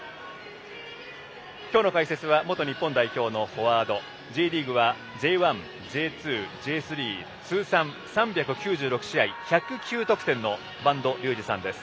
きょうの解説は元日本代表のフォワードＪリーグはＪ１、Ｊ２、Ｊ３通算３９６試合１０９得点の播戸竜二さんです。